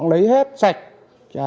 lấy hết sạch